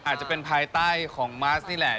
อาจจะเป็นภายใต้ของมาสนี่แหละ